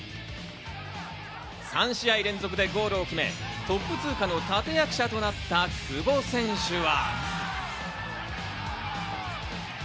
３試合連続でゴールを決め、トップ通過の立て役者となった久保選手は。